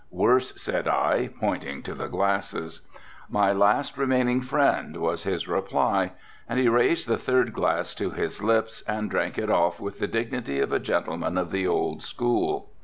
"Worse," said I, pointing to the glasses. "My last remaining friend," was his reply, and he raised the third glass to his lips and drank it off with the dignity of a gentleman of the old school.